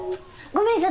ごめん悟。